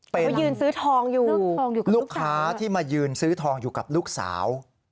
เป็นลูกค้าที่มายืนซื้อทองอยู่กับลูกสาว